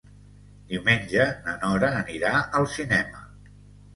Diumenge na Nora anirà al cinema.